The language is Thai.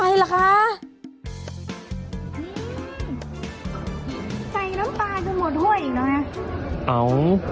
อืมใกล้น้ำปลาจนหมดห้วยอีกแล้วนะ